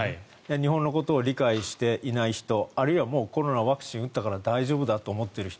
日本のことを理解していない人あるいはもうコロナワクチンを打ったから大丈夫だと思っている人。